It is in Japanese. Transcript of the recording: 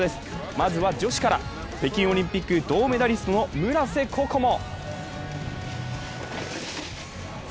まずは女子から、北京オリンピック銅メダリストの村瀬心椛！